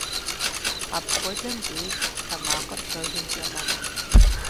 Апхуэдэм деж тэмакъыр бэгынкӏэ мэхъу.